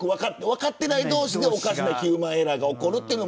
分かってない同士でおかしなヒューマンエラーが起きる。